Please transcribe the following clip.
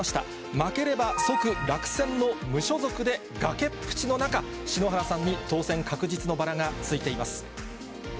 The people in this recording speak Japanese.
負ければ即落選の無所属で崖っぷちの中、篠原さんに当選確実のバラがついています。